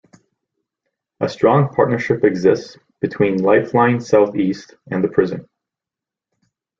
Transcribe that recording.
A strong partnership exists between Lifeline South East and the prison.